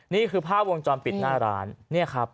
นี่คือภาพวงจรปิดหน้าร้านเนี่ยครับ